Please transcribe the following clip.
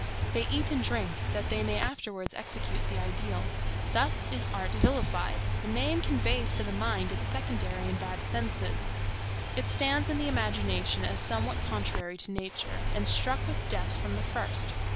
They eat and drink, that they may afterwards execute the ideal. Thus is art vilified; the name conveys to the mind its secondary and bad senses; it stands in the imagination as somewhat contrary to nature, and struck with death from the first.